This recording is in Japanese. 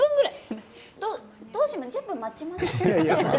１０分待ちますか？